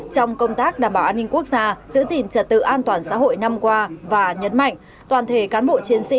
trong công tác đảm bảo an ninh quốc gia giữ gìn trật tự an toàn xã hội năm qua và nhấn mạnh toàn thể cán bộ chiến sĩ